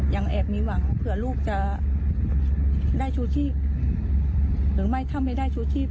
ยังแอบมีหวังเผื่อลูกจะได้ชูชีพหรือไม่ถ้าไม่ได้ชูชีพ